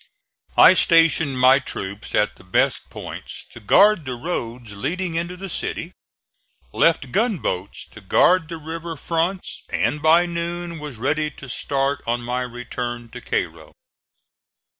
I stationed my troops at the best points to guard the roads leading into the city, left gunboats to guard the river fronts and by noon was ready to start on my return to Cairo.